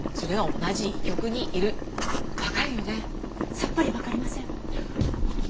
さっぱりわかりません。